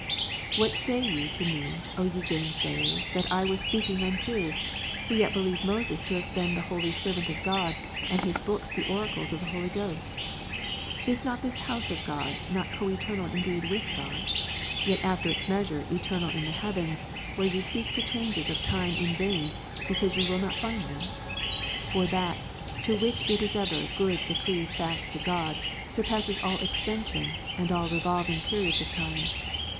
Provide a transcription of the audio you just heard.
22. " What say ye to me, O ye gainsayers that I was speaking unto, who yet believe Moses to have been the holy servant of God, and his books the oracles of the Holy Ghost? Is not this house of God, not coeternal indeed with God, yet 2 Cor. 5, after its measure eternal in the heavens, where you seek for ^ changes of times in vain, because you will not find them ? Ps. 73, For that, to which it is ever good to cleave fast to God, surpasses all extension, and all revolving periods of time."